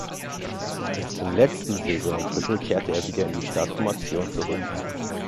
Erst im letzten Saisondrittel kehrte er wieder in die Startformation zurück.